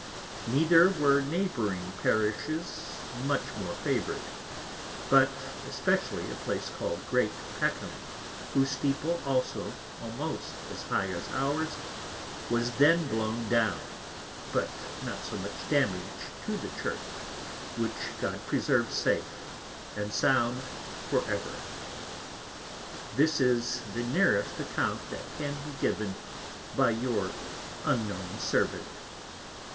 Neither were Neighbouring Parishes much more favoured; but especially, a place called Great Peckham, whose Steeple also, almost as high as ours, was then blown down, but not so much Damage to the Church, which God preserve safe and sound for ever. This is the nearest account that can be given, by your unknown Servant, Tho.